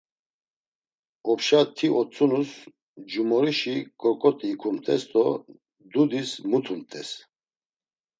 Opşa ti otzunus mcumorişi ǩorǩot̆i ikumt̆es do dudis mutumt̆es.